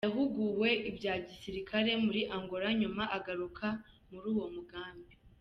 Yahuguwe ibya gisirikare muri Angola nyuma agaruka muri uwo mugambi.